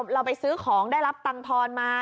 เราไปซื้อของได้รับตังทอนมา